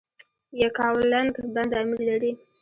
یکاولنګ بند امیر لري؟